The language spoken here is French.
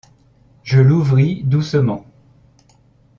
Je l’ouvris doucement.